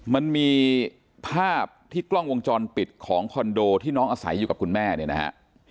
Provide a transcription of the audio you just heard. มันมีภาพที่กล้องวงจรปิดของคอนโดที่น้องอาศัยอยู่กับคุณแม่เนี่ยนะฮะ